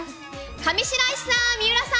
上白石さん、水卜さん。